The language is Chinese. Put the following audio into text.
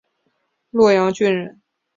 略阳郡人。